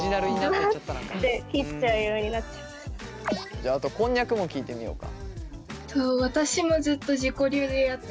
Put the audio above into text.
じゃああとこんにゃくも聞いてみようか。